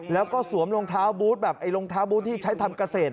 แล้วก็สวมรองเท้าบูธแบบรองเท้าบูธที่ใช้ทำเกษตร